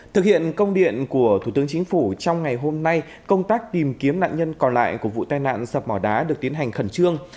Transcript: thực hiện công điện của thủ tướng chính phủ trong ngày hôm nay công tác tìm kiếm nạn nhân còn lại của vụ tai nạn sập mỏ đá được tiến hành khẩn trương